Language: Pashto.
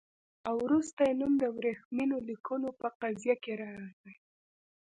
او وروسته یې نوم د ورېښمینو لیکونو په قضیه کې راغی.